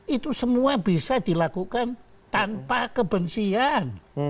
itu semua bisa dilakukan tanpa kebencian